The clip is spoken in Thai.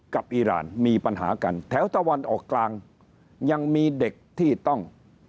อีรานมีปัญหากันแถวตะวันออกกลางยังมีเด็กที่ต้อง